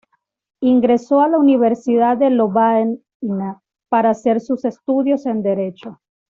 Ingresó a la universidad de Lovaina para hacer sus estudios en derecho.